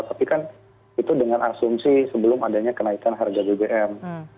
tapi kan itu dengan asumsi sebelum adanya kenaikan harga bbm